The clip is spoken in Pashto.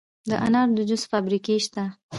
د انارو د جوس فابریکې شته.